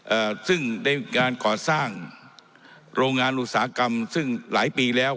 เอ่อซึ่งได้การก่อสร้างโรงงานอุตสาหกรรมซึ่งหลายปีแล้ว